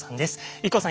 ＩＫＫＯさん